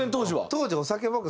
当時お酒僕